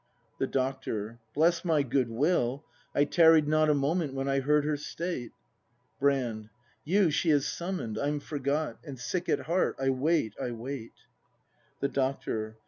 The Doctor. Bless my goodwill! I tarried not A moment when I heard her state. Brand. You she has summon'd: I'm forgot, — And sick at heart, I wait, I wait. The Doctor.